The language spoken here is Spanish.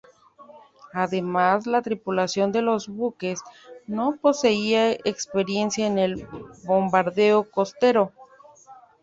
Además, la tripulación de los buques no poseía experiencia en el bombardeo costero.